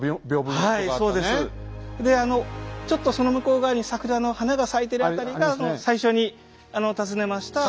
あのちょっとその向こう側に桜の花が咲いてる辺りが最初に訪ねました。